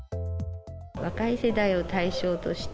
若い世代を対象として、